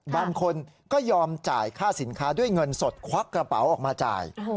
บางคนก็ยอมจ่ายค่าสินค้าด้วยเงินสดควักกระเป๋าออกมาจ่าย